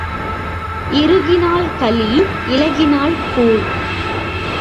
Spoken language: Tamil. இருகினால் களி இளகினால் கூழ்